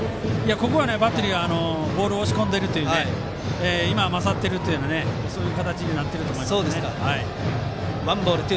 ここはバッテリーはボールを押し込んで今は勝っているという形になっていると思います。